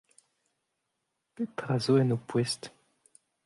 Petra zo en ho poest ?